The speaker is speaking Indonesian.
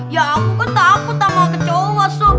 ya aku kan takut sama kecoa sob